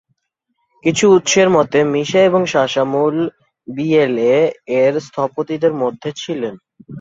কিছু উৎসের মতে, মিশা এবং সাশা মূল বিএলএ-এর স্থপতিদের মধ্যে ছিলেন।